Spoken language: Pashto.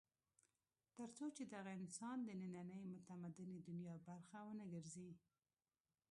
تر څو چې دغه انسان د نننۍ متمدنې دنیا برخه ونه ګرځي.